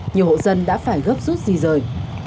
nhiều hộ dân đã phải gấp rút di rời